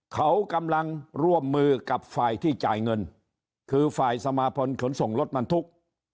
เขากำลังร่วมมือกับฝ่ายที่จ่ายเงินคือฝ่ายสมาพลขนส่งรถบรรทุก